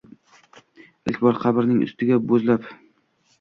Ilk bor qabring ustiga boʻzlab